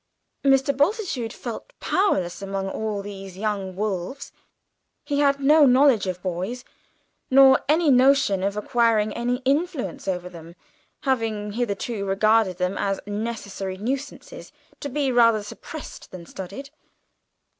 Mr. Bultitude felt powerless among all these young wolves. He had no knowledge of boys, nor any notion of acquiring an influence over them, having hitherto regarded them as necessary nuisances, to be rather repressed than studied.